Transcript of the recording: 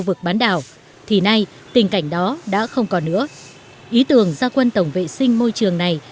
vực bán đảo thì nay tình cảnh đó đã không còn nữa ý tưởng gia quân tổng vệ sinh môi trường này